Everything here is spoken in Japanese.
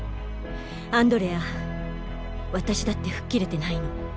アンドレア私だって吹っ切れてないの。